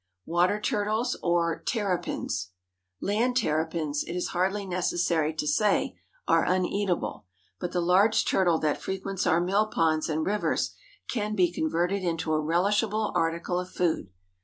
WATER TURTLES, OR TERRAPINS. Land terrapins, it is hardly necessary to say, are uneatable, but the large turtle that frequents our mill ponds and rivers can be converted into a relishable article of food.